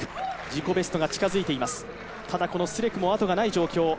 自己ベストが近づいています、ただこのスレクもあとがない状況。